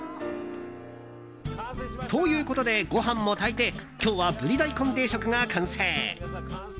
ということでご飯も炊いて今日はブリ大根定食が完成。